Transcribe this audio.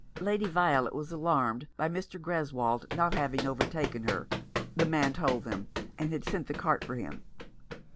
Lady Violet was alarmed by Mr. Greswold not having overtaken her, the man told them, and had sent the cart for him.